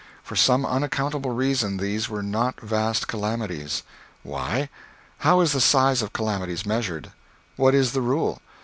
For some unaccountable reason, these were not vast calamities. Why? How is the size of calamities measured? What is the rule?